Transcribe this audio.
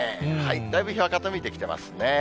だいぶ日は傾いてきてますね。